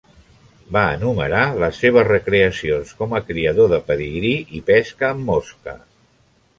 Va enumerar les seves recreacions com a criador de pedigrí i pesca amb mosca.